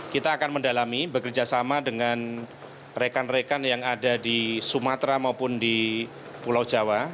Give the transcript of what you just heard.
kita akan mendalami bekerjasama dengan rekan rekan yang ada di sumatera maupun di pulau jawa